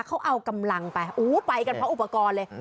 เขาเอากำลังไปกันเพราะอุปกรณ์เลย